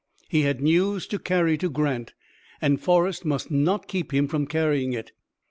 He had news to carry to Grant, and Forrest must not keep him from carrying it.